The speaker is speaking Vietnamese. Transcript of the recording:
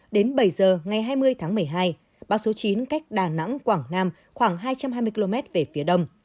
đến bảy giờ ngày hai mươi tháng một mươi hai bão số chín cách đà nẵng quảng nam khoảng hai trăm hai mươi km về phía đông